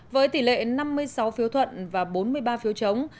với tỷ lệ năm mươi sáu phiếu thuận và bốn mươi ba phiếu chống